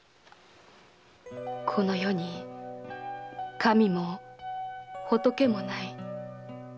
この世に神も仏もない。